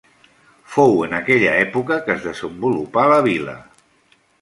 Fou en aquella època que es desenvolupà la vila.